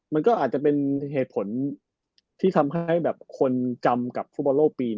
มันก็อาจจะเป็นเหตุผลที่ทำให้แบบคนจำกับฟุตบอลโลกปี๑